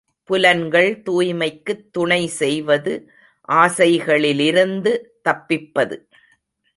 புலன்கள் தூய்மைக்குத் துணை செய்வது ஆசைகளிலிருந்து தப்பிப்பது.